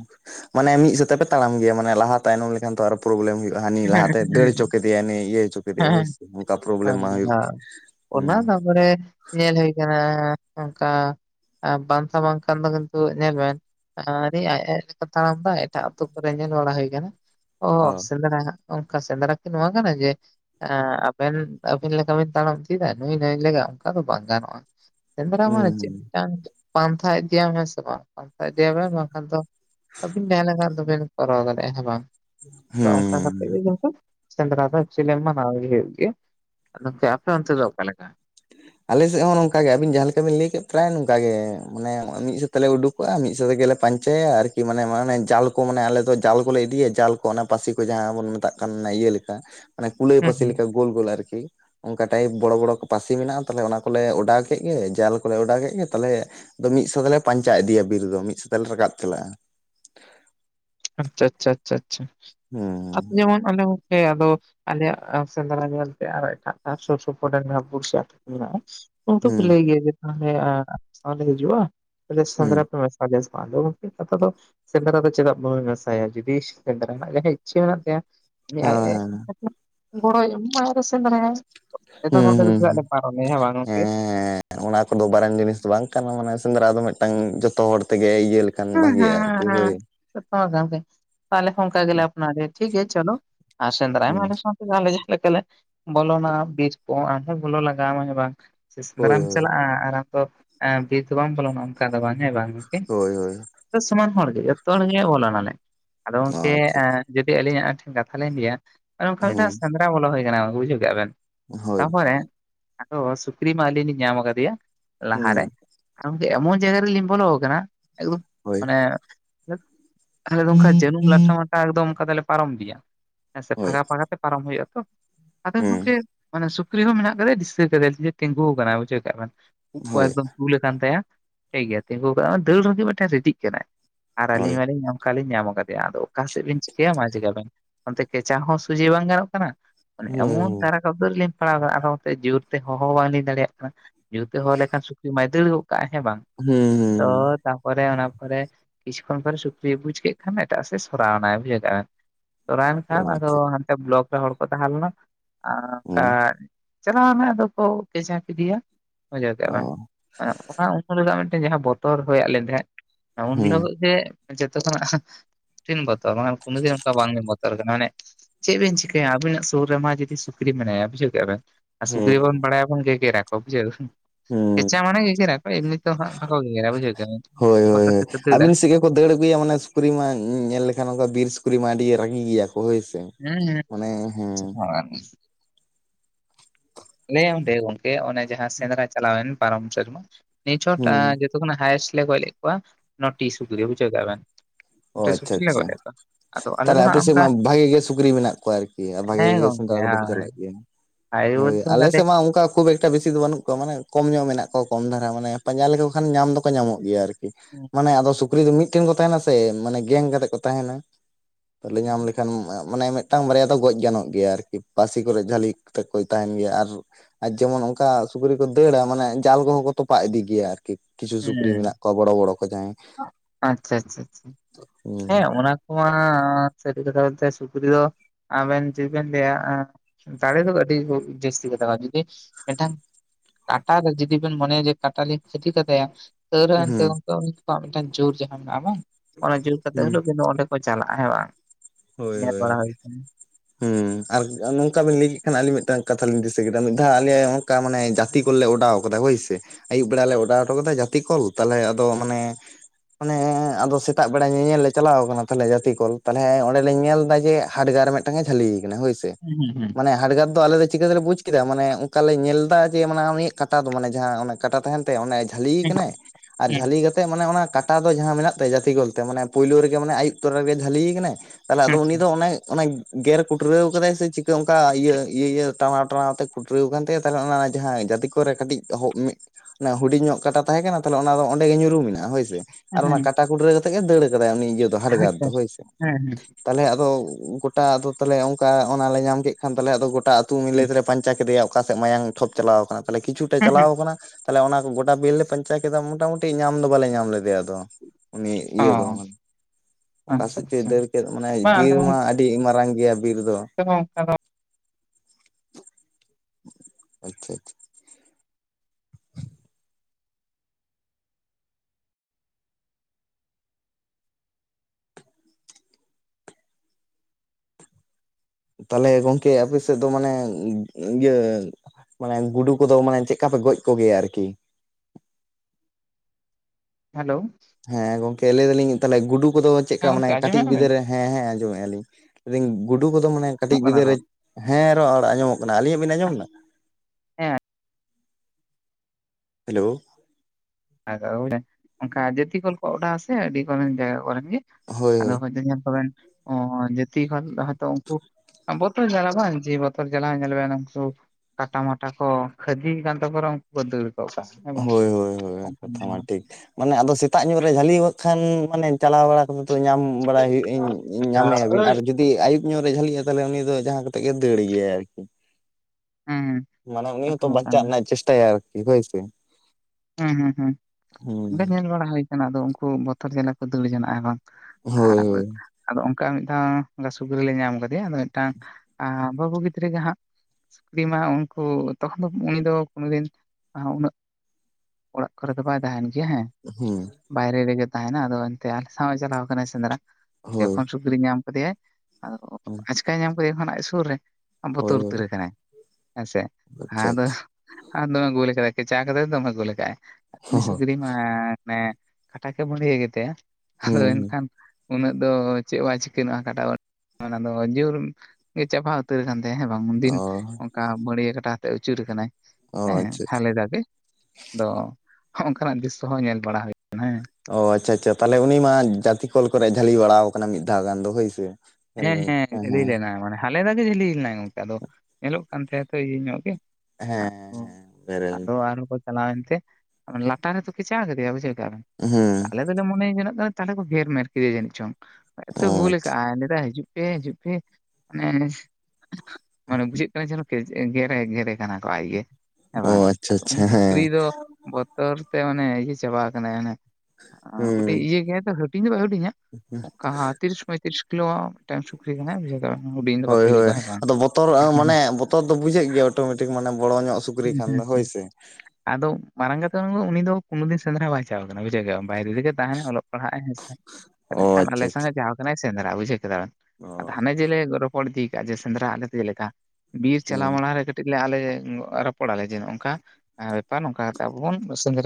ᱢᱟᱱᱮ ᱢᱤᱜ ᱥᱟᱛᱮ ᱯᱮ ᱛᱟᱲᱟᱢ ᱜᱮᱭᱟ ᱢᱟᱱᱮ ᱞᱟᱦᱟ ᱛᱟᱭᱱᱚᱢ ᱞᱮᱠᱷᱟᱱ ᱛᱚ ᱟᱨ ᱯᱨᱚᱵᱽᱞᱮᱢ ᱦᱩᱭᱩᱜᱼᱟ ᱦᱟᱹᱱᱤ ᱦᱮᱸ ᱞᱟᱦᱟᱛᱮ ᱫᱟᱹᱲ ᱦᱚᱪᱚ ᱦᱮᱸ ᱠᱮᱫᱮᱭᱟ ᱱᱤ ᱤᱭᱟᱹ ᱦᱚᱪᱚ ᱠᱮᱫᱮᱭ ᱦᱮᱸ ᱦᱳᱭᱥᱮ ᱚᱝᱠᱟ ᱯᱨᱚᱵᱞᱮᱢ ᱢᱟ ᱦᱩᱭᱩᱜ᱾ ᱦᱮᱸ᱾ ᱚᱱᱟ ᱦᱩᱸ ᱱᱟ ᱢᱟᱱᱮ ᱧᱮᱞ ᱦᱩᱭ ᱟᱠᱟᱱᱟ ᱚᱜᱠᱟ ᱮᱸ ᱯᱟᱱᱛᱷᱟ ᱵᱟᱝᱠᱷᱟᱱ ᱫᱚ ᱠᱤᱱᱛᱩ ᱧᱮᱞ ᱢᱮ ᱟᱨ ᱦᱟᱹᱱᱤ ᱟᱡ ᱟᱡ ᱞᱮᱠᱟ ᱛᱟᱲᱟᱢ ᱫᱟᱭ ᱮᱴᱟᱜ ᱟᱹᱛᱩ ᱠᱚᱨᱮ ᱧᱮᱞ ᱵᱟᱲᱟ ᱦᱩᱭ ᱠᱟᱱᱟ ᱛᱚ ᱚ ᱥᱮᱸᱫᱽᱨᱟ ᱦᱟᱸᱜ ᱚᱝᱠᱟ ᱥᱮᱸᱫᱽᱨᱟ ᱠᱤ ᱱᱚᱣᱟ ᱠᱟᱱᱟ ᱡᱮ ᱮᱸ ᱟᱵᱮᱱ ᱟᱵᱤᱱ ᱞᱮᱠᱟᱵᱤᱱ ᱛᱟᱲᱟᱢ ᱤᱫᱤᱭᱫᱟ ᱱᱩᱭ ᱱᱟᱹᱭ ᱞᱮᱠᱟ ᱚᱝᱠᱟ ᱫᱚ ᱵᱟᱝ ᱜᱟᱱᱚᱜᱼᱟ᱾ ᱥᱮᱸᱫᱽᱨᱟ ᱢᱟ ᱪᱮ ᱦᱩᱸ ᱢᱤᱴᱟᱝ ᱯᱟᱱᱛᱷᱟ ᱤᱫᱤᱭᱟᱢ ᱦᱮᱸ ᱥᱮ ᱵᱟᱝ ᱯᱟᱱᱛᱷᱟ ᱤᱫᱤᱭᱟᱵᱮᱱ ᱵᱟᱝᱠᱷᱟᱱ ᱫᱚ ᱟᱵᱤᱱ [unintelligible] ᱫᱚᱵᱤᱱ ᱠᱚᱨᱟᱣ ᱫᱟᱲᱮᱜᱼᱟ ᱦᱮᱸ ᱵᱟᱝ᱾ ᱟᱫᱚ ᱚᱱᱠᱟ ᱦᱩᱸ [inaudible] ᱥᱮᱸᱫᱽᱨᱟ ᱫᱚ ᱮᱠᱪᱩᱞᱤ ᱮᱪᱞᱤ ᱢᱟᱱᱟᱣ ᱜᱮ ᱦᱩᱭᱩᱜ ᱜᱮ ᱟ ᱱᱚᱱᱛᱮ ᱟᱯᱮ ᱚᱱᱛᱮ ᱫᱚ ᱚᱠᱟᱞᱮᱠᱟ? [inaudible] ᱟᱞᱮ ᱥᱮᱜ ᱦᱚᱸ ᱱᱚᱝᱠᱟ ᱜᱮ ᱟᱵᱮᱱ ᱡᱟᱦᱟᱸ ᱞᱮᱠᱟ ᱵᱮᱱ ᱞᱟᱹᱭ ᱠᱮᱜ ᱯᱨᱟᱭ ᱱᱚᱝᱠᱟ ᱜᱮ ᱢᱟᱱᱮ ᱢᱤᱜ ᱥᱚᱛᱮ ᱞᱮ ᱩᱰᱩᱠ ᱡᱚᱜᱼᱟ ᱢᱤᱜ ᱥᱮᱛᱮ ᱜᱮᱞᱮ ᱯᱟᱸᱪᱟᱭᱟ ᱟᱨᱠᱤ ᱢᱟᱱᱮ ᱢᱟᱱᱮ ᱡᱟᱞ ᱠᱚ ᱢᱟᱱᱮ ᱟᱞᱮ ᱫᱚ ᱡᱟᱞ ᱠᱚ ᱞᱮ ᱤᱫᱤᱭᱟ ᱡᱟᱞ ᱠᱚ ᱚᱱᱟ ᱯᱟᱹᱥᱤ ᱠᱚ ᱡᱟᱦᱟᱸ ᱵᱚᱱ ᱢᱮᱛᱟᱜ ᱠᱟᱱ ᱱᱮ ᱤᱭᱟᱹ ᱞᱮᱠᱟ ᱢᱟᱱᱮ ᱠᱩᱞᱟᱹᱭ ᱦᱩᱸ ᱯᱟᱹᱥᱤ ᱦᱩᱸ ᱞᱮᱠᱟ ᱜᱳᱞ ᱜᱳᱞ ᱟᱨᱠᱤ᱾ ᱚᱝᱠᱟ ᱴᱟᱭᱤᱯ ᱵᱚᱲᱚ ᱵᱚᱲᱚ ᱯᱟᱹᱥᱤ ᱢᱮᱱᱟᱜᱼᱟ ᱛᱟᱞᱦᱮ ᱚᱱᱟ ᱠᱚᱞᱮ ᱚᱰᱟᱣ ᱠᱮᱜ ᱜᱮ ᱡᱟᱞ ᱠᱚᱞᱮ ᱚᱰᱟᱣ ᱠᱮᱜ ᱜᱮ ᱛᱟᱞᱦᱮ ᱟᱫᱚ ᱢᱤᱜ ᱥᱚᱛᱮ ᱞᱮ ᱯᱟᱸᱧᱪᱟ ᱤᱫᱤᱭᱟ ᱵᱤᱨ ᱫᱚ ᱢᱤᱜ ᱥᱚᱛᱮ ᱞᱮ ᱨᱟᱠᱟᱵ ᱪᱟᱞᱟᱜᱼᱟ᱾ ᱟᱪᱪᱷᱟ ᱟᱪᱪᱷᱟ ᱟᱪᱪᱷᱟ ᱟᱪᱷᱟ ᱦᱩᱸ [inaudible] ᱡᱮᱢᱚᱱ ᱟᱞᱮ ᱚᱱᱛᱮ ᱟᱫᱚ ᱟᱞᱮᱭᱟᱜ ᱮᱸ ᱥᱮᱸᱫᱽᱨᱟ ᱧᱮᱞᱛᱮ ᱟᱨᱚ ᱮᱴᱟᱜ ᱴᱟᱜ ᱥᱩᱨ ᱥᱩᱯᱩᱨ ᱨᱮᱱ [unintelligible] ᱩᱱ ᱫᱚᱠᱚ ᱦᱩᱸ ᱞᱟᱹᱭ ᱜᱮ [unintelligible] [unintelligible] ᱦᱩᱸ ᱦᱩᱸ ᱟᱫᱚ ᱜᱚᱝᱠᱮ ᱠᱟᱛᱷᱟ ᱫᱚ ᱥᱮᱸᱫᱽᱨᱟ ᱫᱚ ᱪᱮᱫᱟᱜ ᱵᱟᱹᱧ ᱱᱟᱥᱟᱭᱟ ᱡᱩᱫᱤ ᱥᱮᱸᱫᱽᱨᱟ ᱨᱮᱱᱟᱜ ᱡᱟᱦᱟᱸᱭ ᱤᱪᱪᱷᱟᱹ ᱢᱮᱱᱟᱜ ᱛᱟᱭᱟ ᱟᱡ ᱦᱮᱸ [inaudible] ᱜᱟᱲᱚᱭ ᱮᱢᱚᱜᱼᱟ ᱟᱨ ᱮ ᱥᱮᱸᱫᱽᱨᱟᱭᱟᱭ ᱮᱱᱦᱚᱸ ᱱᱚᱸᱰᱮ ᱦᱮᱸ ᱦᱩᱸ ᱦᱩᱸ ᱪᱮᱫᱟᱜ ᱞᱮ ᱯᱟᱨᱚᱢᱮ ᱦᱮᱸ ᱵᱟᱝ ᱜᱚᱝᱠᱮ᱾ ᱦᱮᱸ ᱚᱱᱟ ᱠᱚᱫᱚ ᱵᱟᱨᱟᱱ ᱡᱤᱱᱤᱥ ᱫᱚ ᱵᱟᱝ ᱠᱟᱱᱟ ᱢᱟᱱᱮ ᱥᱮᱸᱫᱽᱨᱟ ᱫᱚ ᱢᱤᱫᱴᱟᱝ ᱡᱚᱛᱚ ᱦᱚᱲ ᱛᱮᱜᱮ ᱤᱭᱟᱹ ᱞᱮ ᱦᱩᱸ ᱦᱩᱸ ᱦᱮᱸ ᱠᱟᱛᱷᱟ ᱦᱚᱸ ᱠᱟᱱ ᱜᱮ ᱟᱞᱮᱦᱚᱸ ᱚᱝᱠᱟ ᱜᱮᱞᱮ ᱟᱯᱱᱟᱨᱮᱭᱟ ᱴᱷᱤᱠ ᱜᱮᱭᱟ ᱪᱳᱞᱳ ᱟᱸ ᱥᱮᱸᱫᱽᱨᱟᱭ ᱢᱮ ᱦᱩᱸ ᱟᱞᱮ ᱥᱟᱶ᱾ ᱟᱞᱮ ᱡᱟᱦᱟᱸ ᱞᱮᱠᱟᱞᱮ ᱵᱚᱞᱚᱱᱟ ᱵᱤᱨ ᱠᱚ ᱟᱢ ᱦᱚᱸᱵᱚᱞᱚ ᱞᱟᱜᱟᱣᱟᱢᱟ ᱦᱮᱸ ᱵᱟᱝ᱾ ᱥᱮ ᱦᱳᱭ ᱥᱮᱸᱫᱽᱨᱟᱢ ᱦᱳᱭ ᱪᱟᱞᱟᱜᱼᱟ ᱟᱨ ᱟᱢ ᱫᱚ ᱮᱸ ᱵᱤᱨ ᱫᱚ ᱵᱟᱢ ᱵᱚᱞᱚᱱᱟ ᱚᱝᱠᱟ ᱫᱚ ᱵᱟᱝ ᱦᱮᱸᱵᱟᱝ ᱜᱚᱝᱠᱮ᱾ ᱦᱳᱭ ᱦᱳᱭ᱾ ᱥᱚᱢᱟᱱ ᱦᱚᱲ ᱜᱮ ᱡᱚᱛᱚ ᱦᱚᱲ ᱜᱮ [unintelligible] ᱟᱫᱚ ᱜᱚᱝᱠᱮ ᱟᱪᱪᱷᱟ ᱮᱸ ᱡᱩᱫᱤ ᱟᱹᱞᱤᱧ ᱟᱜ ᱴᱷᱮᱱ ᱠᱟᱛᱷᱟ ᱞᱤᱧ ᱞᱟᱹᱭᱟ ᱦᱩᱸ ᱢᱤᱫᱷᱟᱣ ᱥᱮᱸᱫᱽᱨᱟ ᱵᱚᱞᱚ ᱦᱩᱭ ᱟᱠᱟᱱᱟᱱᱟ ᱵᱩᱡᱷᱟᱹᱣ ᱠᱟᱜ ᱵᱮᱱ ᱦᱳᱭ ᱛᱟᱯᱚᱨᱮ ᱟᱫᱚ ᱥᱩᱠᱨᱤ ᱢᱟ ᱟᱹᱞᱤᱧ ᱞᱤᱧ ᱧᱟᱢ ᱠᱟᱫᱮᱭᱟ ᱞᱟᱦᱟᱨᱮ ᱦᱩᱸ ᱮᱢᱚᱱ ᱡᱟᱭᱜᱟ ᱨᱮᱞᱤᱧ ᱵᱚᱞᱚ ᱟᱠᱟᱱᱟ ᱮᱠᱫᱚᱢ ᱦᱳᱭ ᱢᱟᱱᱮ ᱟᱞᱮ ᱱᱚᱝᱠᱟ ᱦᱳᱭ ᱡᱟᱹᱱᱩᱢ ᱞᱟᱴᱷᱟ ᱢᱟᱴᱟ ᱮᱠᱫᱚᱢ ᱚᱱᱠᱟ ᱛᱮᱞᱮ ᱯᱟᱨᱚᱢ ᱤᱫᱤᱭᱟ ᱦᱮᱸ ᱥᱮ ᱯᱷᱟᱸᱠᱟ ᱯᱷᱟᱸᱠᱟ ᱛᱮ ᱯᱟᱨᱚᱢ ᱦᱩᱭᱩᱜᱼᱟ ᱛᱚ ᱟᱫᱚ ᱜᱚᱝᱠᱮ ᱦᱩᱸ ᱢᱟᱱᱮ ᱥᱩᱠᱨᱤ ᱦᱚᱸ ᱢᱮᱱᱟᱜ ᱠᱟᱫᱮᱭᱟ ᱫᱤᱥᱟᱹ ᱠᱟᱫᱮ ᱛᱤᱸᱜᱩ ᱟᱠᱟᱱᱟ ᱵᱩᱡᱷᱟᱹᱣ ᱠᱟᱜ ᱵᱮᱱ ᱩᱵ ᱠᱚ ᱦᱳᱭ ᱮᱠᱫᱚᱢ ᱛᱩᱞ ᱟᱠᱟᱱ ᱛᱟᱭᱟ ᱴᱷᱤᱠ ᱜᱮᱭᱟ ᱛᱤᱸᱜᱩ ᱟᱠᱟᱫᱟ ᱫᱟᱹᱲ ᱨᱮᱜᱮ ᱢᱤᱫᱴᱮᱱ ᱨᱤᱰᱤᱜ ᱠᱟᱱᱟᱭ ᱟᱨ ᱦᱳᱭ ᱟᱹᱞᱤᱧ ᱢᱟᱞᱤᱧ ᱧᱟᱢ ᱚᱠᱟᱞᱤᱧ ᱧᱟᱢ ᱟᱠᱟᱫᱮᱭᱟ ᱟᱫᱚ ᱚᱠᱟ ᱥᱮᱫ ᱞᱤᱱ ᱪᱤᱠᱟᱹᱭᱟ ᱢᱟ ᱪᱮᱠᱟᱵᱤᱱ ᱚᱱᱛᱮ ᱠᱮᱪᱟ ᱦᱚᱸ ᱥᱩᱡᱮ ᱵᱟᱝ ᱜᱟᱱᱚᱜ ᱠᱟᱱᱟ, ᱢᱟᱱᱮ ᱮᱢᱚᱱ ᱦᱩᱸ ᱠᱟᱨᱟ ᱠᱚᱫᱚ ᱨᱮᱞᱤᱧ ᱯᱟᱲᱟᱣᱫᱟ ᱟᱛᱮ ᱡᱳᱨᱛᱮ ᱦᱚᱦᱚ ᱵᱟᱝᱞᱤᱧ ᱫᱟᱲᱮᱭᱟᱜ ᱠᱟᱱᱟ᱾ ᱡᱩᱛᱮ ᱦᱚᱦᱚ ᱞᱮᱠᱷᱟᱱ ᱥᱩᱠᱨᱤ ᱢᱟᱭ ᱫᱟᱹᱲ ᱠᱟᱜᱟᱭ ᱦᱮᱸ ᱵᱟᱝ ᱛᱚ ᱦᱩᱸ ᱛᱟᱯᱚᱨᱮ ᱚᱱᱟ ᱯᱚᱨᱮ ᱠᱤᱪᱷᱠᱷᱚᱱ ᱯᱚᱨᱮ ᱥᱩᱠᱨᱤᱭ ᱵᱩᱡ ᱠᱮᱫ ᱠᱷᱟᱱ ᱮᱴᱟᱜ ᱥᱮᱫ ᱥᱚᱨᱟᱣ ᱮᱱᱟᱭ ᱵᱩᱡᱷᱟᱹᱣ ᱫᱟᱵᱤᱰ ᱥᱚᱨᱟᱭᱮᱱ ᱚ ᱠᱷᱟᱱ ᱟᱫᱚ ᱟᱪᱪᱷᱟ ᱦᱟᱱᱛᱮ ᱵᱞᱚᱠ ᱨᱮ ᱦᱚᱲ ᱠᱚ ᱛᱟᱦᱮᱸ ᱞᱮᱱᱟ ᱚᱱᱠᱟ ᱦᱩᱸ ᱪᱟᱞᱟᱣᱱᱟᱭ ᱟᱫᱚ ᱠᱚ ᱵᱷᱮᱡᱟ ᱠᱮᱫᱮᱭᱟ ᱵᱩᱡᱟᱹ ᱠᱮᱫᱟᱵᱤᱱ ᱚ ᱵᱟᱝ ᱚᱱᱟ ᱩᱢᱟᱹᱨ ᱢᱤᱫᱴᱮᱱ ᱡᱟᱦᱟᱸ ᱵᱚᱛᱚᱨ ᱦᱳᱭ ᱟᱞᱤᱧ ᱛᱟᱦᱮᱸᱫ ᱩᱱᱤᱞᱳ ᱦᱩᱸ ᱜᱮ ᱡᱚᱛᱚ ᱠᱷᱚᱱᱟᱜ ᱠᱩᱴᱷᱤᱱ ᱵᱚᱛᱚᱨ ᱠᱩᱱᱚ ᱫᱤᱱ ᱚᱱᱠᱟ ᱵᱟᱝ ᱞᱤᱧ ᱵᱚᱛᱚᱨ ᱠᱟᱱᱟ, ᱢᱟᱱᱮ ᱪᱮᱫ ᱵᱮᱱ ᱪᱤᱠᱟᱹᱭᱟ ᱟᱵᱤᱱᱟᱜ ᱥᱩᱨ ᱨᱮᱢᱟ ᱡᱩᱫᱤ ᱥᱩᱠᱨᱤ ᱢᱮᱱᱟᱭᱟ ᱵᱩᱡᱷᱟᱹᱣ ᱠᱮᱭᱟ ᱵᱮᱱ ᱟᱨ ᱥᱩᱠᱨᱤ ᱵᱚᱱ ᱦᱩᱸ ᱯᱟᱲᱟᱭᱟ ᱜᱮᱜᱮᱨ ᱨᱟᱠᱚ ᱵᱩᱡᱷᱟᱹᱣ ᱦᱩᱸ ᱠᱮᱪᱟ ᱢᱟᱱᱮ ᱜᱮᱜᱮᱨᱟ ᱮᱢᱱᱤ ᱛᱮᱫᱚ ᱦᱟᱜ ᱵᱟᱠᱚ ᱜᱮᱜᱮᱨᱟ ᱠᱮᱫᱟ ᱵᱮᱱ ᱦᱳᱭ ᱦᱳᱭ ᱵᱚᱛᱚᱨ ᱛᱮᱠᱚ ᱫᱟᱹᱲᱟ ᱟᱵᱤᱱ ᱥᱮᱜᱮ ᱠᱚ ᱫᱟᱹᱲ ᱟᱹᱜᱩᱭᱟ ᱢᱟᱱᱮ ᱥᱩᱠᱨᱤ ᱢᱟ ᱧᱮᱞ ᱞᱮᱠᱷᱟᱱ ᱚᱱᱠᱟ ᱵᱤᱨ ᱥᱩᱠᱨᱤ ᱢᱟ ᱟᱹᱰᱤ ᱨᱟᱹᱜᱤ ᱜᱮᱭᱟᱠᱚ ᱦᱳᱭ ᱢᱟᱱᱮ ᱦᱮᱸ ᱟᱨ ᱞᱟᱹᱭ ᱚᱸᱰᱮ ᱜᱚᱝᱠᱮ ᱚᱱᱮ ᱡᱟᱦᱟᱸ ᱥᱮᱸᱫᱽᱨᱟ ᱪᱟᱞᱟᱣᱮᱱ ᱯᱟᱨᱚᱢ ᱥᱮᱨᱢᱟ ᱱᱤᱭᱟᱹ ᱪᱚᱴ ᱦᱩᱸ ᱡᱚᱛᱷᱚ ᱠᱷᱚᱱᱟᱜ ᱦᱟᱭᱮᱥᱴ ᱞᱮ ᱜᱚᱡ ᱞᱮᱫ ᱠᱚᱣᱟ ᱱᱚᱴᱤ ᱥᱩᱠᱨᱤ ᱵᱩᱡᱷᱣ ᱠᱮᱜᱟ ᱵᱮᱱ ᱱᱚᱴᱤ ᱥᱩᱠᱨᱤ ᱞᱮ ᱜᱚᱡ ᱞᱮᱫ ᱠᱚᱣᱟ᱾ ᱟᱫᱚ ᱟᱞᱮ ᱛᱟᱦᱞᱮ ᱫᱚ ᱟᱯᱮ ᱦᱟᱸᱜ ᱥᱮᱫ ᱚᱱᱠᱟ ᱢᱟ ᱵᱷᱟᱜᱮ ᱜᱮ ᱥᱩᱠᱨᱤ ᱢᱮᱱᱟᱜ ᱠᱚᱣᱟ ᱟᱨᱠᱤ ᱵᱷᱟᱜᱮ ᱦᱮᱸ ᱜᱮ ᱜᱚᱝᱠᱮ ᱥᱮᱸᱫᱽᱨᱟ ᱠᱚᱫᱚ ᱯᱮ ᱪᱟᱞᱟᱜ ᱜᱮᱭᱟ᱾ ᱦᱳᱭ ᱵᱚᱞᱛᱮ ᱟᱞᱮ ᱚᱱᱟᱛᱮ ᱥᱮᱫ ᱢᱟ ᱚᱱᱠᱟ ᱠᱷᱩᱵ ᱮᱠᱴᱟ ᱵᱮᱥᱤ ᱫᱚ ᱵᱟᱹᱱᱩᱜ ᱢᱟᱱᱮ ᱠᱚᱢ ᱧᱚᱜ ᱢᱮᱱᱟᱜ ᱠᱚᱣᱟ ᱠᱚᱢ ᱫᱷᱟᱨᱟ ᱢᱟᱱᱮ ᱯᱟᱸᱡᱟ ᱞᱮᱠᱚ ᱠᱷᱟᱱ ᱧᱟᱢ ᱫᱚᱠᱚ ᱧᱟᱢᱚᱜ ᱜᱮᱭᱟ ᱟᱨᱠᱤ ᱢᱟᱱᱮ ᱟᱫᱚ ᱥᱩᱠ ᱥᱩᱠᱨᱤ ᱫᱚ ᱢᱤᱫᱴᱮᱱ ᱠᱚ ᱛᱟᱦᱮᱱᱟ ᱥᱮ ᱢᱟᱱᱮ ᱜᱮᱝ ᱠᱟᱛᱮᱫ ᱠᱚ ᱛᱟᱦᱮᱱᱟ, ᱛᱟᱦᱚᱞᱮ ᱦᱩᱸ ᱧᱟᱢ ᱞᱮᱠᱷᱟᱱ ᱢᱟᱱᱮ ᱢᱤᱫ ᱢᱤᱫᱴᱟᱝ ᱵᱟᱨᱭᱟ ᱫᱚ ᱜᱚᱡ ᱜᱟᱱᱚᱜ ᱜᱮᱭᱟ ᱟᱨᱠᱤ ᱯᱟᱹᱥᱤ ᱠᱚᱨᱮ ᱡᱷᱟᱹᱞᱤ ᱠᱟᱛᱮ ᱠᱚ ᱛᱟᱦᱮᱱ ᱜᱮᱭᱟ ᱟᱨ ᱟᱨ ᱡᱮᱢᱚᱱ ᱚᱱᱠᱟ ᱥᱩᱠᱨᱤ ᱠᱚ ᱫᱟᱹᱲᱟ ᱢᱟᱱᱮ ᱡᱟᱞ ᱠᱚᱦᱚᱸ ᱠᱚ ᱛᱚᱯᱟᱜ ᱤᱫᱤ ᱜᱮᱭᱟ ᱟᱨᱠᱤ ᱠᱤᱪᱷᱩ ᱥᱩᱠᱨᱤ ᱢᱮᱱᱟᱜ ᱠᱚᱣᱟ ᱵᱚᱲ ᱵᱚᱲ ᱠᱚ ᱡᱟᱦᱟᱭ, ᱟᱪᱪᱷᱟ ᱟᱪᱪᱷᱟ ᱦᱮᱸ ᱦᱩᱸ ᱚᱱᱟ ᱥᱟᱨᱤ ᱠᱟᱛᱷᱟ ᱢᱮᱱ ᱥᱩᱠᱨᱤ ᱫᱚ ᱟᱵᱮᱱ ᱡᱤᱵᱮᱱ ᱞᱟᱹᱭᱟ᱾ ᱫᱟᱲᱮ ᱫᱚ ᱟᱹᱰᱤ ᱡᱟᱹᱥᱛᱤ ᱫᱟᱹᱲᱟ ᱠᱚᱣᱟ ᱡᱩᱫᱤ ᱢᱤᱫᱴᱟᱝ ᱠᱟᱴᱟ ᱨᱮ ᱡᱤᱫᱤ ᱵᱮᱱ ᱢᱚᱱᱮ ᱠᱟᱴᱟ ᱞᱤᱧ [unintelligible] ᱛᱟᱭᱟ ᱛᱟᱹᱶᱨᱮᱦᱚ ᱩᱱᱣᱟᱜ ᱢᱤᱫᱴᱟᱱ ᱡᱳᱨ ᱡᱟᱦᱟᱸ ᱢᱮᱱᱟᱜᱼᱟ ᱵᱟᱝ ᱚᱱᱟ ᱡᱳᱨ ᱠᱟᱛᱮᱜ ᱦᱩᱸ ᱚᱸᱰᱮ ᱠᱚ ᱪᱟᱞᱟᱜᱼᱟ ᱦᱮ ᱵᱟᱝ ᱦᱳᱭ ᱦᱳᱭ ᱧᱮᱞ ᱵᱟᱲᱟ ᱦᱳᱭ ᱦᱩᱭ ᱠᱟᱱᱟ ᱦᱮᱸ ᱟᱨ ᱱᱚᱝᱠᱟ ᱵᱤᱱ ᱞᱟᱹᱭ ᱠᱮᱫ ᱠᱷᱟᱱ ᱟᱞᱤᱧ ᱢᱤᱫᱴᱟᱝ ᱠᱟᱛᱷᱟ ᱞᱤᱧ ᱫᱤᱥᱟᱹ ᱠᱮᱫᱟ ᱢᱤᱫ ᱫᱷᱟᱣ ᱟᱞᱮᱭᱟᱜ ᱚᱱᱠᱟ ᱢᱟᱱᱮ ᱡᱟᱹᱛᱤ ᱠᱚᱨᱮᱞᱮ ᱚᱰᱟᱣ ᱟᱠᱟᱫᱟ ᱦᱳᱭᱥᱮ ᱟᱹᱭᱩᱵ ᱵᱮᱲᱟ ᱞᱮ ᱚᱰᱟᱣ ᱦᱚᱴᱚ ᱠᱟᱫᱟ ᱡᱷᱟᱛᱤ ᱠᱚᱞ ᱛᱟᱞᱦᱮ ᱟᱫᱚ ᱢᱟᱱᱮ ᱚᱱᱮ ᱟᱫᱚ ᱥᱮᱛᱟᱜ ᱵᱮᱲᱟ ᱧᱮᱧᱮᱞ ᱞᱮ ᱪᱟᱞᱟᱣ ᱠᱟᱱᱟ ᱛᱟᱞᱦᱮ ᱡᱟᱹᱛᱤ ᱠᱚᱞ ᱛᱟᱞᱦᱮ ᱚᱸᱰᱮ ᱧᱮᱞ ᱫᱟ ᱡᱮ ᱦᱟᱰᱜᱟᱨ ᱨᱮ ᱢᱮᱫᱴᱟᱝ ᱮ ᱡᱷᱟᱹᱞᱤᱭ ᱠᱟᱱᱟ ᱦᱳᱭᱥᱮ ᱦᱩᱸ ᱦᱩᱸ ᱦᱩᱸ ᱢᱟᱱᱮ ᱦᱟᱰᱜᱟᱨ ᱫᱚ ᱟᱞᱮ ᱫᱚ ᱪᱤᱠᱟᱹ ᱛᱮᱞᱮ ᱵᱩᱡ ᱠᱮᱫᱟ ᱢᱟᱱᱮ ᱚᱱᱠᱟ ᱞᱮ ᱧᱮᱞ ᱫᱟ ᱡᱮ ᱢᱟᱱᱮ ᱩᱱᱤᱭᱟᱜ ᱠᱟᱴᱟ ᱫᱚ ᱢᱟᱱᱮ ᱡᱟᱦᱟᱸ ᱚᱱᱟ ᱠᱟᱴᱟ ᱛᱟᱦᱮᱱ ᱛᱟᱭᱟ ᱚᱱᱟᱭ ᱡᱟᱹᱞᱤ ᱠᱟᱱᱟᱭ ᱟᱨ ᱡᱷᱟᱹᱞᱤ ᱠᱟᱛᱮᱜ ᱛᱮᱜ ᱢᱟᱱᱮ ᱚᱱᱟ ᱠᱟᱴᱟ ᱫᱚ ᱡᱟᱦᱟᱸ ᱢᱮᱱᱟᱜ ᱛᱟᱭᱟ ᱡᱟᱹᱛᱤ ᱠᱚᱞ ᱛᱮ ᱢᱟᱱᱮ ᱯᱩᱭᱞᱩ ᱨᱮᱜᱮ ᱢᱟᱱᱮ ᱟᱭᱩᱵ ᱛᱚᱨᱟ ᱨᱮᱭ ᱡᱷᱟᱹᱞᱤᱭ ᱠᱟᱱᱟᱭ ᱛᱟᱦᱞᱮ ᱦᱩᱸ ᱟᱫᱚ ᱩᱱᱤ ᱫᱚ ᱚᱱᱮᱭ ᱚᱱᱟᱵ ᱜᱮᱨ ᱠᱩᱴᱨᱟᱹᱣ ᱠᱟᱫᱟᱭ ᱥᱮ ᱪᱤᱠᱟᱹ ᱚᱱᱠᱟ ᱤᱭᱟᱹ ᱤᱭᱟᱹᱭᱼᱭᱟᱹ ᱴᱟᱱᱟᱣ ᱴᱟᱱᱟᱣ ᱛᱮ ᱠᱩᱴᱨᱟᱹᱣ ᱠᱟᱱ ᱛᱟᱭᱟ ᱛᱟᱦᱞᱮ ᱚᱱᱟ ᱡᱟᱦᱟᱸ ᱡᱟᱹᱛᱤ ᱠᱚ ᱠᱚᱨᱮ ᱠᱟᱹᱴᱤᱡ ᱦᱚᱜ ᱢᱤᱫ ᱚᱱᱟ ᱦᱩᱰᱤᱧ ᱧᱚᱜᱼᱟ ᱠᱟᱴᱟ ᱛᱟᱦᱮᱸ ᱠᱟᱱᱟ ᱛᱟᱦᱞᱮ ᱚᱱᱟ ᱫᱚ ᱚᱸᱰᱮ ᱜᱮ ᱧᱩᱨᱩ ᱢᱮᱱᱟᱜ-ᱟ ᱦᱳᱭ ᱥᱮ ᱟᱨ ᱦᱩᱸ ᱚᱱᱟ ᱦᱩᱸ ᱠᱟᱴᱟ ᱠᱩᱴᱨᱟᱹ ᱠᱟᱛᱮᱜᱮ ᱫᱟᱹᱲ ᱠᱟᱫᱟᱭ ᱩᱱᱤ ᱤᱡᱟᱹ ᱫᱚ ᱦᱟᱰᱜᱟᱨ ᱫᱚ ᱟᱪᱪᱷᱟ ᱦᱮᱸ ᱟᱪᱪᱷᱟ ᱦᱳᱭ ᱥᱮ ᱦᱮᱸ ᱦᱮᱸ ᱛᱟᱦᱞᱮ ᱟᱫᱚ ᱜᱚᱴᱟ ᱟᱫᱚ ᱛᱟᱦᱞᱮ ᱚᱱᱠᱟ ᱚᱱᱟᱞᱮ ᱧᱟᱢ ᱠᱮᱫ ᱠᱷᱟᱱ ᱛᱟᱦᱞᱮ ᱟᱫᱚ ᱜᱚ ᱴᱟ ᱟᱹᱛᱩ ᱧᱤᱫᱟᱹ ᱛᱮᱞᱮ ᱯᱟᱧᱪᱟᱣ ᱠᱮᱫᱮᱭᱟ ᱚᱠᱟᱥᱮᱫ ᱢᱟᱭᱟᱝ ᱴᱷᱯ ᱪᱟᱞᱟᱣ ᱠᱟᱱᱟ ᱛᱟᱦᱞᱮ ᱠᱤᱪᱷᱩᱴᱟ ᱦᱮᱸ ᱦᱮᱸ ᱪᱟᱞᱟᱣ ᱠᱟᱱᱟ ᱛᱟᱦᱞᱮ ᱚᱱᱟ ᱠᱚ ᱜᱚᱴᱟ ᱵᱤᱨ ᱞᱮ ᱯᱟᱧᱪᱟ ᱠᱮᱫᱟ ᱢᱚᱴᱟᱢᱩᱴᱤ ᱧᱟᱢ ᱫᱚ ᱵᱟᱞᱮ ᱧᱟᱢ ᱞᱮᱫᱮᱭᱟ ᱟᱫᱚ ᱩᱱᱤ ᱚ ᱤᱭᱟᱹ ᱫᱚ ᱚᱠᱟ ᱟᱪᱪᱷᱟ ᱥᱮᱫ ᱪᱚᱭ ᱟᱪᱪᱷᱟ ᱫᱟᱹᱲ ᱪᱮᱫ ᱢᱟᱱᱮ ᱵᱟᱝ ᱵᱤᱨ ᱟᱫᱚ ᱢᱟ ᱚᱱᱛᱮ ᱟᱹᱰᱤ ᱢᱟᱨᱟᱝ ᱜᱮᱭᱟ ᱵᱤᱨ ᱫᱚ᱾ [unintelligible] ᱟᱪᱪᱷᱟ ᱟᱪᱪᱷᱟ ᱛᱟᱞᱦᱮ ᱜᱚᱝᱠᱮ ᱟᱯᱮᱥᱮᱫ ᱫᱚ ᱢᱟᱱᱮ ᱤᱜᱟᱹ ᱢᱟᱱᱮ ᱜᱩᱰᱩ ᱠᱚᱫᱚ ᱢᱟᱱᱮ ᱪᱮᱜ ᱠᱟ ᱯᱮ ᱜᱚᱡ ᱠᱚᱜᱮᱭᱟ ᱟᱨᱠᱤ? ᱦᱮᱞᱳ ᱦᱮᱸ ᱜᱚᱝᱠᱮ ᱞᱟᱹᱭ ᱫᱟᱞᱤᱧ ᱛᱟᱞᱦᱮ ᱜᱩᱰᱩ ᱠᱚᱫᱚ ᱪᱮᱜ ᱦᱮᱸ ᱠᱟ ᱢᱟᱱᱮ ᱜᱚᱝᱠᱮ ᱠᱟᱹᱴᱤᱡ ᱟᱸᱡᱚᱢᱮᱫᱼᱟ ᱵᱤᱫᱟᱹ ᱵᱮᱱ ᱨᱮ ᱦᱮᱸ ᱦᱮᱸ ᱟᱡᱚᱢᱮᱜ ᱟᱞᱤᱧ ᱞᱭᱟᱹᱫᱟᱹᱧ ᱜᱩᱰᱩ ᱠᱚᱫᱚ ᱢᱟᱱᱮ ᱦᱚᱭ ᱠᱟᱹᱴᱤᱡ ᱟᱸᱡᱚᱢᱚᱜ ᱠᱟᱱᱟ ᱵᱤᱫᱟᱹᱞ ᱨᱮ ᱨᱚᱲ ᱦᱮᱸ ᱨᱚᱲ ᱚᱲ ᱟᱸᱡᱚᱢᱚᱜ ᱠᱟᱱᱟ ᱟᱹᱞᱤᱧᱟᱜ ᱵᱤᱱ ᱟᱸᱡᱚᱢ ᱫᱟ? ᱦᱮᱸ ᱦᱮᱞᱳ ᱟᱫᱚ ᱚᱱᱮ ᱚᱱᱠᱟ ᱡᱟᱹᱛᱤ ᱠᱚᱞ ᱠᱚ ᱚᱰᱟᱣ ᱟᱥᱮ ᱟᱹᱰᱤ ᱠᱤᱧᱱ ᱡᱟᱭᱜᱟ ᱠᱚᱨᱮᱜ ᱜᱮ ᱦᱳᱭ ᱟᱫᱚ ᱦᱚᱭᱛᱚ ᱫᱤᱱ ᱯᱟᱨᱮᱱ ᱚᱦᱚ ᱡᱟᱹᱛᱤ ᱠᱷᱟᱱ ᱦᱚᱭᱛᱳ ᱩᱱᱠᱩ ᱵᱚᱛᱚᱨ ᱡᱟᱞᱟ ᱵᱟᱝ ᱡᱮ ᱵᱚᱛᱚᱨ ᱡᱟᱞᱟ ᱧᱮᱞᱚᱜ ᱵᱮᱱ ᱟᱨᱟᱢ ᱥᱮ ᱠᱟᱴᱟ ᱢᱟᱴᱟ ᱠᱚ ᱠᱷᱟᱹᱫᱤᱭ ᱠᱟᱱ ᱛᱟᱠᱚ ᱨᱚᱦᱚ ᱩᱱᱠᱩ ᱠᱚ ᱫᱟᱹᱲ ᱜᱚᱜ ᱠᱟᱜ ᱦᱮᱸᱵᱚᱝ ᱦᱮᱸ ᱠᱟᱛᱷᱟ ᱢᱟ ᱴᱷᱤᱠ ᱢᱟᱱᱮ ᱟᱫᱚ ᱥᱮᱛᱟᱜ ᱧᱚᱜ ᱨᱮ ᱡᱷᱟᱹᱞᱤᱜ ᱦᱳᱭᱳᱜ ᱠᱷᱟᱱ ᱢᱟᱱᱮ ᱪᱟᱞᱟᱣ ᱵᱟᱲᱟ ᱩᱱᱫᱚ ᱧᱟᱢ ᱵᱟᱲᱟᱭ ᱦᱩᱭᱩᱜ ᱤᱧ ᱧᱟᱢᱮᱭᱟ ᱵᱚᱱ ᱟᱨ ᱡᱩᱫᱤ ᱟᱭᱩᱵ ᱧᱚᱜ ᱨᱮᱭ ᱡᱷᱟᱹᱞᱤᱜ-ᱟ ᱛᱟᱦᱞᱮ ᱩᱱᱤ ᱫᱚ ᱡᱟᱦᱟᱸ ᱠᱟᱛᱮᱜ ᱜᱮ ᱫᱟᱹᱲ ᱜᱮᱭᱟᱭ ᱟᱨᱠᱤ ᱦᱮᱸ ᱢᱟᱱᱮ ᱩᱱᱤ ᱠᱟᱛᱷᱟ ᱦᱚᱸᱛᱚ ᱢᱟ ᱠᱟᱱ ᱵᱟᱧᱪᱟᱜ ᱨᱮᱱᱟᱜ ᱮ ᱪᱮᱥᱴᱟᱭᱟᱭ ᱟᱨᱠᱤ ᱦᱳᱭᱥᱮ ᱦᱩᱸ ᱦᱩᱸ ᱦᱩᱸ ᱦᱩᱸ ᱚᱸᱰᱮ ᱧᱮᱞ ᱵᱟᱲᱟ ᱦᱩᱭ ᱠᱟᱱᱟ ᱟᱫᱚ ᱩᱱᱠᱩ ᱵᱚᱛᱚᱨ ᱡᱟᱞᱟ ᱠᱚ ᱫᱟᱹᱲ ᱡᱚᱱᱚᱜ-ᱟ ᱦᱮ ᱵᱟᱝ ᱦᱳᱭ ᱟᱨ ᱟᱫᱚ ᱚᱱᱠᱟ ᱢᱤᱫ ᱫᱷᱟᱣ ᱥᱩᱨᱤ ᱞᱮ ᱧᱟᱢ ᱠᱟᱫᱮᱭᱟ ᱟᱫᱚ ᱢᱮᱫᱴᱟᱝ ᱵᱟᱹᱵᱩ ᱜᱤᱫᱽᱨᱟᱹ ᱡᱟᱦᱟᱸ ᱥᱩᱠᱨᱤ ᱢᱟ ᱩᱱᱠᱩ ᱛᱚᱠᱷᱚᱱ ᱫᱚ ᱩᱱᱤ ᱫᱚ ᱠᱳᱱᱳ ᱫᱤᱱ ᱦᱚᱸ ᱩᱱᱟᱹᱜ ᱚᱲᱟᱜ ᱠᱚᱨᱮ ᱫᱚ ᱵᱟᱭ ᱛᱟᱦᱮᱱᱟ ᱡᱮ ᱦᱮᱸ ᱦᱩᱸ ᱵᱟᱭᱨᱮ ᱨᱮᱜᱮ ᱛᱟᱦᱮᱱᱟ ᱟᱫᱚ ᱮᱱᱛᱮ ᱟᱞᱮ ᱥᱟᱶ ᱮ ᱪᱟᱞᱟᱣ ᱠᱟᱱᱟ ᱥᱮᱸᱫᱽᱨᱟ ᱦᱳᱭ ᱡᱚᱠᱷᱚᱱ ᱥᱩᱠᱨᱤ ᱧᱟᱢ ᱠᱟᱫᱮᱭᱟᱭ ᱟᱫᱚ ᱟᱪᱠᱟᱭ ᱧᱟᱢ ᱠᱮᱫᱮ ᱠᱷᱟᱱ ᱟᱡ ᱥᱩᱨ ᱨᱮ ᱟ ᱦᱳᱭ ᱵᱚᱛᱚᱨ ᱦᱳᱭ ᱩᱛᱟᱹᱨ ᱠᱟᱱᱟᱭ ᱦᱮᱸᱥᱮ ᱟᱪᱪᱷᱟ ᱟᱫᱚ ᱟᱪᱪᱷᱟ ᱟᱫ ᱢᱮ ᱟᱨ ᱫᱚᱢᱮ ᱜᱩᱞ ᱠᱮᱫᱟᱭ ᱠᱷᱮᱪᱟᱨ ᱟᱫᱚ ᱫᱚᱢᱮ ᱜᱩᱞ ᱟᱠᱟᱜ ᱟᱭ ᱩᱱᱤ ᱦᱚᱸ ᱥᱩᱠᱨᱤ ᱢᱟ [inaudible] ᱠᱟᱴᱟᱠᱮ ᱵᱩᱸᱜᱭᱟᱹ ᱜᱮᱛᱟᱭᱟ᱾ ᱟᱫᱚ ᱦᱩᱸ ᱦᱩᱸ ᱮᱱᱠᱷᱟᱱ ᱩᱱᱟᱹᱜ ᱫᱚ ᱪᱮᱫ ᱦᱚᱵᱟᱭ ᱪᱤᱠᱟᱹᱱᱟᱜ-ᱟ ᱠᱟᱴᱟᱜ ᱠᱚ ᱟᱨᱩᱵ ᱚᱱᱟ ᱫᱚ ᱡᱳᱨ ᱜᱮ ᱪᱟᱵᱟ ᱩᱛᱟᱹᱨ ᱟᱠᱟᱱ ᱛᱟᱭᱟ ᱦᱮᱸ ᱵᱟᱝ ᱩᱱᱫᱤᱱ ᱚ ᱚᱱᱠᱟ ᱵᱟᱹᱲᱭᱟᱹ ᱠᱟᱴᱟ ᱠᱟᱛᱮᱜ ᱟᱹᱪᱩᱨᱮ ᱠᱟᱱᱟᱭ ᱚ ᱦᱮᱸ ᱟᱪᱪᱷᱟ ᱟᱪᱪᱷᱟ ᱦᱟᱞᱮ ᱵᱷᱟᱵᱮ ᱟᱫᱚ ᱚᱱᱠᱟᱱᱟᱜ ᱫᱨᱤᱥᱥᱚ ᱦᱚᱸ ᱧᱮᱞ ᱵᱟᱲᱟ ᱦᱩᱭᱩᱜ [inaudible] ᱦᱮᱸ᱾ ᱚ ᱟᱪᱪᱷᱟ ᱟᱪᱪᱷᱟ ᱛᱟᱦᱞᱮ ᱩᱱᱤ ᱢᱟ ᱡᱟᱛᱤ ᱠᱚᱞ ᱠᱚᱨᱮᱜ ᱮ ᱡᱷᱟᱹᱞᱤ ᱵᱟᱲᱟᱣ ᱠᱟᱱᱟ ᱢᱤᱫ ᱫᱷᱟᱣ ᱜᱟᱱ ᱫᱚ ᱦᱳᱭᱥᱮ ᱦᱮᱸ ᱦᱮᱸ ᱡᱷᱟᱹᱞᱤ ᱞᱮᱱᱟᱭ ᱢᱟᱱᱮ ᱦᱟᱞᱮᱫᱟ ᱜᱮ ᱡᱷᱟᱹᱞᱤ ᱞᱮᱱᱟᱭ ᱜᱚᱝᱠᱮ ᱟᱫᱚ ᱧᱮᱞᱚᱜ ᱠᱟᱱ ᱛᱟᱭᱟ ᱛᱚ ᱤᱭᱟᱹ ᱧᱚᱜ ᱜᱮ᱾ ᱦᱮᱸ ᱦᱮᱸ ᱦᱮᱸ ᱵᱮᱨᱮᱞ ᱪᱟᱞᱟᱣᱮᱱᱛᱮ ᱞᱟᱛᱟᱨ ᱨᱮᱛᱚ ᱠᱮᱪᱟ ᱠᱮᱫᱫᱮᱭᱟ ᱵᱩᱡᱷᱟᱹᱣ ᱠᱟᱜ ᱦᱮᱸ ᱟᱞᱮ ᱫᱚᱞᱮ ᱢᱚᱱᱮ ᱡᱚᱱᱚᱜ ᱠᱟᱱᱟ᱾ ᱛᱟᱦᱚᱞᱮ ᱠᱚ ᱜᱮᱮᱨᱢᱮᱨ ᱠᱮᱫᱮᱭᱟ ᱡᱟᱹᱱᱤᱡ ᱪᱚᱝ ᱮᱛᱚ ᱚ ᱜᱩᱞ ᱟᱠᱟᱟᱜ ᱟᱭ ᱦᱤᱡᱩᱜ ᱯᱮ ᱦᱤᱡᱩᱜ ᱯᱮ ᱢᱟᱱᱮ ᱢᱟᱱᱮ ᱵᱩᱡᱷᱟᱹᱜ ᱠᱟᱱᱟ ᱡᱮᱱᱚ ᱜᱮᱨᱮ ᱜᱮᱨᱮ ᱠᱟᱱᱟ ᱠᱚ ᱟᱡᱜᱮ ᱦᱮᱸ ᱚ ᱵᱟᱝ ᱟᱪᱪᱷᱟ ᱟᱨ ᱩᱱᱤ ᱟᱪᱪᱷᱟ ᱥᱩᱠᱨᱤ ᱦᱮᱸ ᱫᱚ ᱛᱚᱨ ᱛᱮ ᱢᱟᱱᱮ ᱤᱭᱟᱹ ᱪᱟᱵᱟ ᱟᱠᱟᱱᱟᱭ ᱚᱱᱮ ᱜᱴᱤᱡ ᱤᱭᱟᱹ ᱜᱮᱭ ᱦᱩᱰᱤᱧ ᱫᱚ ᱵᱟᱭ ᱦᱩᱰᱤᱧᱟ᱾ ᱦᱮᱸ [unintelligible] ᱛᱤᱨᱤᱥ ᱠᱤᱞᱳ ᱴᱟᱝ ᱥᱩᱠᱨᱤ ᱠᱟᱱᱟ ᱵᱩᱡᱷᱟᱣ ᱠᱮᱜ ᱟᱵᱤᱱ ᱦᱩᱰᱤᱧ ᱫᱚ ᱵᱟᱠᱚ ᱦᱳᱭ ᱞᱟᱹᱭ ᱟᱠ ᱦᱳᱭ ᱠᱚᱣᱟ ᱦᱮᱸ ᱵᱟᱝ ᱟᱫᱚ ᱵᱚᱛᱚᱨ ᱢᱟᱱᱮ ᱵᱚᱛᱚᱨ ᱫᱚ ᱵᱩᱡᱷᱟᱹᱜ ᱜᱮᱭᱟ ᱚᱴᱳᱢᱮᱴᱤᱠ ᱢᱟᱱᱮ ᱵᱚᱲᱚ ᱧᱚᱜ ᱥᱩᱠᱨᱤ ᱦᱩᱸ ᱠᱷᱟᱱ ᱦᱩᱸ ᱫᱚ ᱦᱩᱸ ᱦᱳᱭ ᱥᱮ ᱟᱫᱚ ᱢᱟᱨᱟᱝ ᱠᱟᱛᱮᱫ ᱫᱚ ᱩᱱᱤ ᱫᱚ ᱠᱳᱱᱳ ᱫᱤᱱ ᱥᱮᱸᱫᱽᱨᱟ ᱵᱟᱭ ᱪᱟᱣ ᱠᱟᱱᱟ ᱵᱩᱡᱷᱣᱮᱼᱟ ᱵᱟᱭᱨᱮ ᱨᱮᱜᱮ ᱛᱟᱦᱮᱱᱟ ᱚᱞᱚᱜ ᱯᱟᱲᱦᱟᱜᱼ ᱚ ᱮᱸᱱᱠᱷᱟᱱ ᱟᱪᱪᱷᱟ ᱟᱞᱮ ᱟᱪᱪᱷᱟ ᱥᱟᱚᱸᱜᱮ ᱡᱟᱣ ᱠᱟᱱᱟᱭ ᱥᱮᱸᱫᱽᱨᱟ ᱵᱩᱡᱷᱟᱹᱣ ᱠᱮᱫᱟᱫᱚ ᱚ ᱦᱟᱱᱮ ᱡᱮᱞᱮ ᱨᱚᱯᱚᱲ ᱤᱫᱤ ᱠᱟᱜᱼᱟ ᱡᱮ ᱥᱮᱸᱫᱽᱨᱟ ᱟᱞᱮᱛᱮ ᱪᱮᱫ ᱞᱮᱠᱟ ᱵᱤᱨ ᱦᱩᱸ ᱪᱟᱞᱟᱣ ᱢᱟᱲᱟᱝ ᱨᱮ ᱠᱟᱹᱴᱤᱡ ᱟᱞᱮ ᱨᱚᱯᱚᱲᱟᱞᱮ ᱡᱮ ᱱᱚ ᱱᱚᱝᱠᱟ ᱵᱮᱯᱟᱨ ᱱᱚᱝᱠᱟ ᱠᱟᱛᱮ ᱟᱵᱚ ᱵᱚᱱ ᱥᱮᱸᱫᱽᱨᱟ